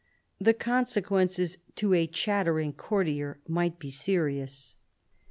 The consequences to a chattering courtier might be serious.